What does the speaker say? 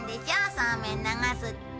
そうめん流すって。